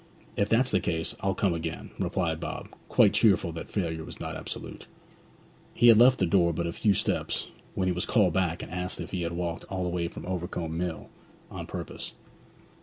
'If that's the case, I'll come again,' replied Bob, quite cheerful that failure was not absolute. He had left the door but a few steps when he was called back and asked if he had walked all the way from Overcombe Mill on purpose.